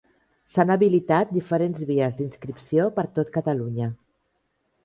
S'han habilitat diferents vies d'inscripció per tot Catalunya.